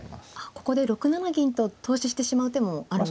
ここで６七銀と投資してしまう手もあるんですね。